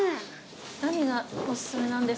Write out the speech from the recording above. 何がお薦めなんですかね。